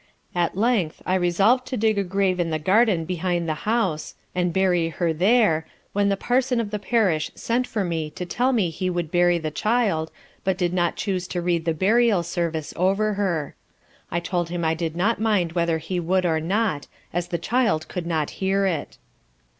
At length I resolv'd to dig a grave in the garden behind the house, and bury her there; when the Parson of the parish sent for me to tell me he would bury the child, but did not chuse to read the burial service over her. I told him I did not mind whether he would or not, as the child could not hear it.